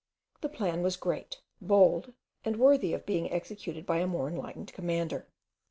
The plan was great, bold, and worthy of being executed by a more enlightened commander.